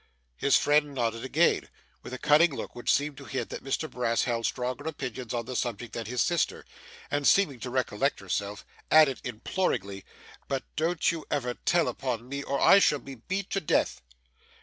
His friend nodded again, with a cunning look which seemed to hint that Mr Brass held stronger opinions on the subject than his sister; and seeming to recollect herself, added imploringly, 'But don't you ever tell upon me, or I shall be beat to death.